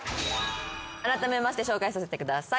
あらためまして紹介させてください。